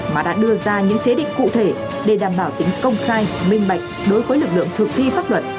mà đã đưa ra những chế định cụ thể để đảm bảo tính công khai minh bạch đối với lực lượng thực thi pháp luật